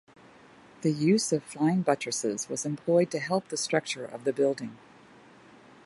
The use of flying buttresses was employed to help the structure of the building.